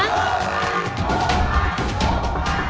ถูกกว่า